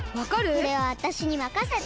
これはわたしにまかせて！